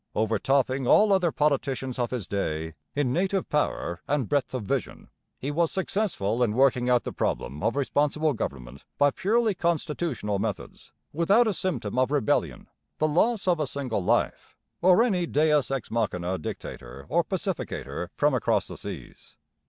Over topping all other politicians of his day in native power and breadth of vision, he was successful in working out the problem of responsible government by purely constitutional methods, without a symptom of rebellion, the loss of a single life or any deus ex machina dictator or pacificator from across the seas.